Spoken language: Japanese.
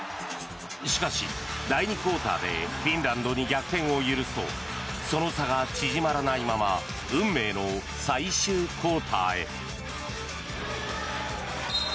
しかし第２クオーターでフィンランドに逆転を許すとその差が縮まらないまま運命の最終クオーターへ。